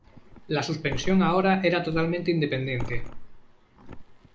La suspensión ahora era totalmente independiente.